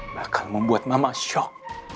bakal membuat mama shock